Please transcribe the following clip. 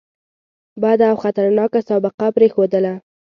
بده او خطرناکه سابقه پرېښودله.